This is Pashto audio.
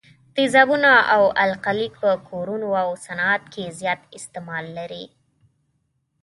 تیزابونه او القلي په کورونو او صنعت کې زیات استعمال لري.